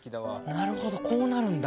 なるほどこうなるんだ。